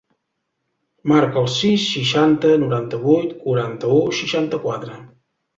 Marca el sis, seixanta, noranta-vuit, quaranta-u, seixanta-quatre.